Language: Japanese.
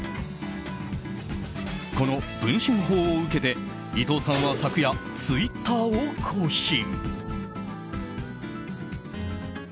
この文春砲を受けて伊藤さんは昨夜、ツイッターを更新。